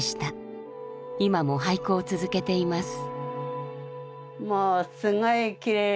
今も俳句を続けています。